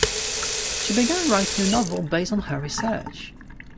She began writing a novel based on her research.